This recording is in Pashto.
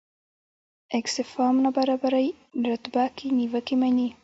اکسفام نابرابرۍ رتبه کې نیوکې مني.